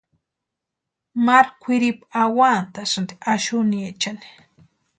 Maru kwʼiripu awantasïnti axuniechani.